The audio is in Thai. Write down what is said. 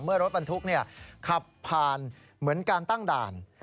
เมื่อรถบรรทุกเนี่ยขับผ่านเหมือนการตั้งด่าน